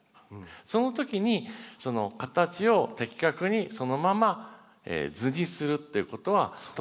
そのときにその形を的確にそのまま図にするっていうことはとても大事なんですね。